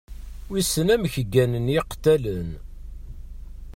Wissen amek gganen yiqettalen?